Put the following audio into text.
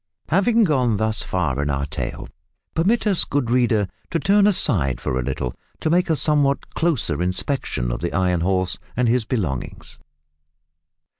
Having gone thus far in our tale, permit us, good reader, to turn aside for a little to make a somewhat closer inspection of the Iron Horse and his belongings.